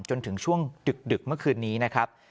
จนถึงช่วงดึกเมื่อคืนนี้นะครับ